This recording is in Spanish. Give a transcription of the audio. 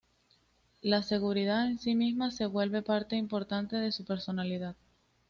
La seguridad en sí misma se vuelve parte importante de su personalidad.